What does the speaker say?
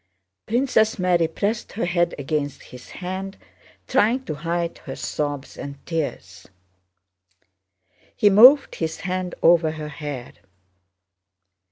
Princess Mary pressed her head against his hand, trying to hide her sobs and tears. He moved his hand over her hair.